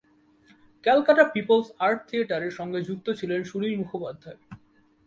Calcutta people's art থিয়েটারের সঙ্গে যুক্ত ছিলেন সুনীল মুখোপাধ্যায়।